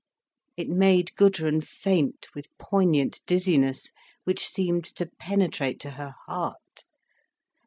It made Gudrun faint with poignant dizziness, which seemed to penetrate to her heart.